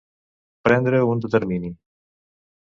Prendre un determini.